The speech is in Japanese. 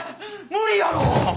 無理やろ！